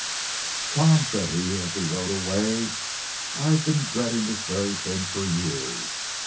"Tom," said he, as we rode away, "I've been dreading this very thing for years.